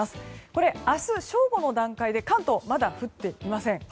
これ、明日正午の段階で関東まだ降っていません。